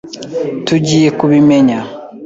Tugiye kubimenya.